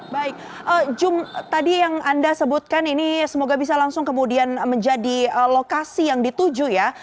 baik jum tadi yang anda sebutkan ini semoga bisa langsung kemudian menjadi lokasi yang dituju ya